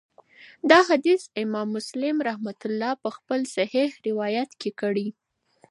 دا حديث امام مسلم رحمه الله په خپل صحيح کي روايت کړی